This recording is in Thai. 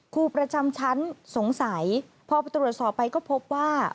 ครูประจำชั้นสงสัยพอไปตรวจสอบไปก็พบว่า